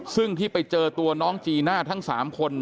ซึ่งที่ไปเจอตัวน้องจีน่าทั้ง๓คน